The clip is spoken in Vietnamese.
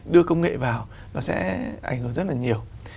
đưa công nghệ vào nó sẽ ảnh hưởng rất là nhiều